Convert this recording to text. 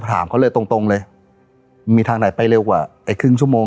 ถามเขาเลยตรงตรงเลยมีทางไหนไปเร็วกว่าไอ้ครึ่งชั่วโมง